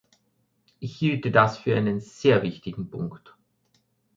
Ich hielte das für einen sehr wichtigen Punkt.